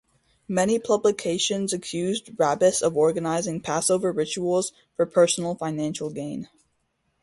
Many publications accused rabbis of organizing Passover rituals for personal financial gain.